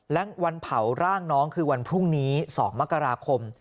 และวันเผาร่างน้องคือวันพรุ่งนี้๒มกราคม